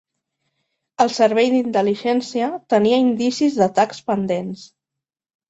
El servei d'intel·ligència tenia indicis d'atacs pendents.